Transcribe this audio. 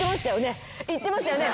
「言ってましたよね？